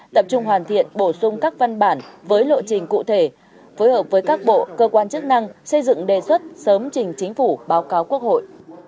tập trung hoàn thiện bổ sung các văn bản với lộ trình cụ thể phối hợp với các bộ cơ quan chức năng xây dựng đề xuất sớm trình chính phủ báo cáo quốc hội